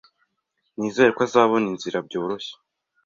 Nizere ko azabona inzira byoroshye.